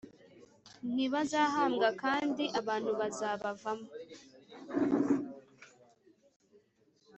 Ntibazahambwa kandi abantu bazabavamo